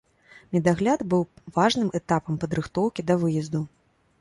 Медагляд быў важным этапам падрыхтоўкі да выезду.